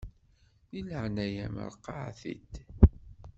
Di leɛnaya-m ṛeqqeɛ-it.